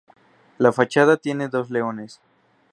La fachada tiene dos leones.